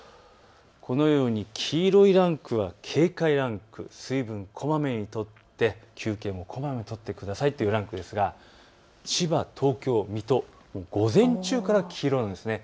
このように黄色いランクは警戒ランク、水分をこまめにとって休憩もこまめに取ってくださいというランクですが、千葉、東京、水戸午前中から黄色なんです。